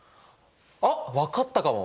あ分かったかも！